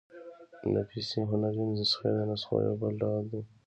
نفیسي هنري نسخې د نسخو يو بل ډول دﺉ.